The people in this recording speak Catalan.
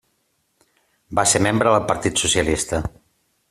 Va ser membre del Partit Socialista.